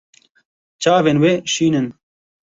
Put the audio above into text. Çavên wê şîn in.